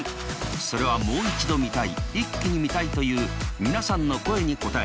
それはもう一度見たいイッキに見たいという皆さんの声に応え